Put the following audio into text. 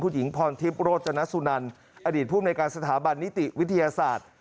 หญิงพรทิพย์โรจนสุนันอดีตภูมิในการสถาบันนิติวิทยาศาสตร์